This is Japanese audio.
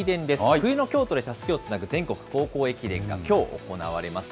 冬の京都でたすきをつなぐ全国高校駅伝がきょう行われます。